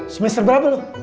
semester berapa lo